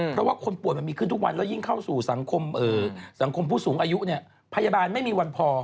เพราะว่าคนป่วยมันมีขึ้นทุกวันแล้วยิ่งเข้าสู่สังคมสังคมผู้สูงอายุเนี่ยพยาบาลไม่มีวันพอ